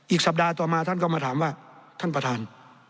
สัปดาห์ต่อมาท่านก็มาถามว่าท่านประธาน